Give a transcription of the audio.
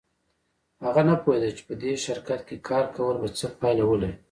هغه نه پوهېده چې په دې شرکت کې کار کول به څه پایله ولري